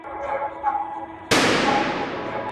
سپین سرې په خیمه کې شین چای چمتو کاوه.